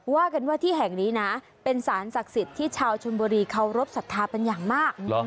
ว่ากันว่าที่แห่งนี้นะเป็นสารศักดิ์สิทธิ์ที่ชาวชนบุรีเคารพสัทธาเป็นอย่างมาก